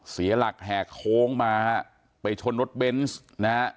เสียหลักแหกโค้งมาฮะไปชนรถเบนส์นะฮะ